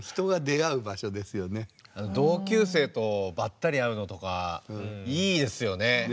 同級生とばったり会うのとかいいですよね。